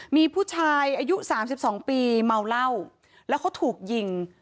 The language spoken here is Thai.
มีผู้ชายอายุ๓๒ปีเมาเหล้าแล้วเขาถูกยิง